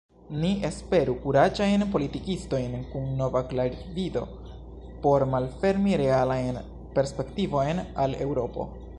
Ni esperu kuraĝajn politikistojn kun nova klarvido por malfermi realajn perspektivojn al Eŭropo.